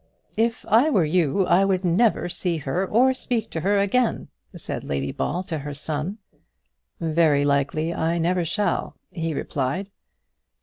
"If I were you I would never see her or speak to her again," said Lady Ball to her son. "Very likely I never shall," he replied.